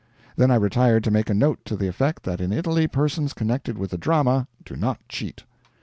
Then I retired to make a note to the effect that in Italy persons connected with the drama do not cheat.